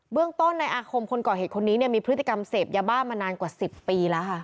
เบื้องต้นในอาคมคนเกาะเหตุคนนี้มีพฤติกรรมเสพหญ้าบ้ามานานกว่า๑๐ปีล่ะค่ะ